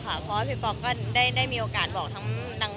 เพราะว่าพี่ป๊อกก็ได้มีโอกาสบอกทั้งนาง